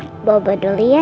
papa aku udah di surga ya